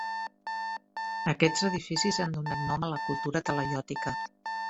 Aquests edificis han donat nom a la cultura talaiòtica.